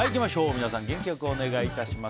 皆さん元気良くお願いします。